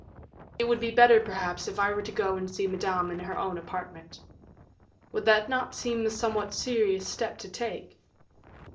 "It would be better, perhaps, if I were to go and see Madame in her own apartment." "Would that not seem a somewhat serious step to take?"